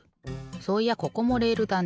そういやここもレールだね。